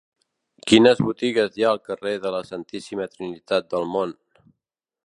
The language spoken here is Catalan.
Quines botigues hi ha al carrer de la Santíssima Trinitat del Mont?